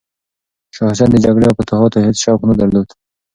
شاه حسین د جګړې او فتوحاتو هیڅ شوق نه درلود.